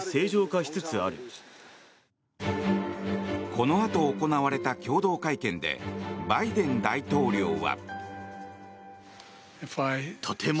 このあと行われた共同会見でバイデン大統領は。